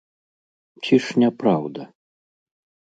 Ці ж не праўда?